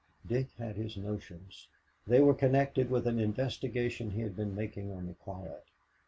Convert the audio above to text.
Dick had his notions. They were connected with an investigation he had been making on the quiet.